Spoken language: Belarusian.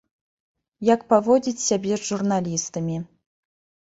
Як паводзіць сябе з журналістамі.